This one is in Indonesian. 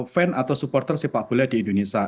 fan atau supporter sepak bola di indonesia